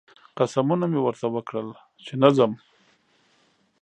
قسمونه مې ورته وکړل چې نه ځم